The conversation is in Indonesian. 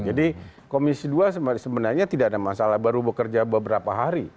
jadi komisi dua sebenarnya tidak ada masalah baru bekerja beberapa hari